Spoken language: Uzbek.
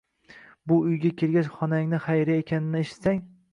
Bu uyga kelgach, onangni Xayriya ekanini eshitsang